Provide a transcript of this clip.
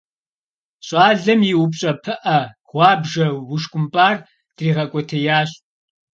Щӏалэм и упщӀэ пыӀэ гъуабжэ ушкӀумпӀар дригъэкӀуэтеящ.